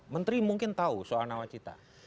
menteri mungkin tahu soal nawacita